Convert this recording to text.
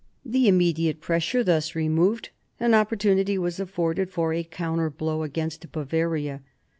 The immediate pressure thus removed, an opportunity was afforded for a counter blow against Bavaria.